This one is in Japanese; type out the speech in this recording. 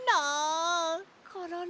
コロロ！